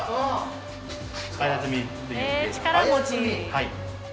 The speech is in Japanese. はい。